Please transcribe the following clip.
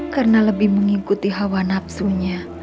karena lebih mengikuti hawa nafsunya